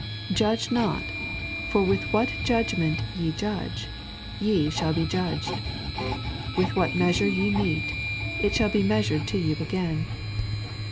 Judge not, for with what judgment ye judge, ye shall be judged. "With what measure ye mete, it shall be measured to you again.